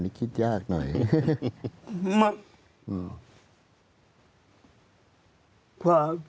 ลุงเอี่ยมอยากให้อธิบดีช่วยอะไรไหม